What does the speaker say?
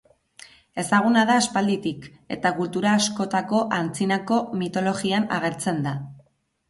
Ezaguna da aspalditik, eta kultura askotako antzinako mitologian agertzen da.